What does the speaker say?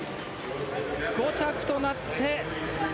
５着となって。